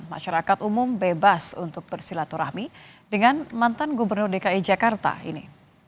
masyarakat umum bebas untuk bersilaturahmi dengan mantan gubernur dki jakarta ini